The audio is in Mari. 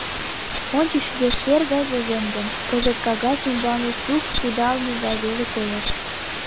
Ончыч тудо шер гай возен гын, кызыт кагаз ӱмбалне шукш кудалме гай веле коеш.